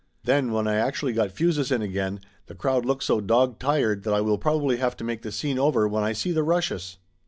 Then when I actually got fuses in again, the crowd looked so dog tired that I will probably have to make the scene over when I see the rushes!"